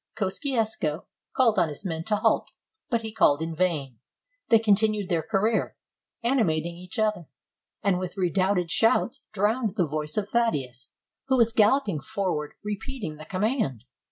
Kosciusko called on his men to halt, but he called in vain; they continued their career, ani mating each other, and with redoubled shouts drowned the voice of Thaddeus, who was galloping forward re peating the command.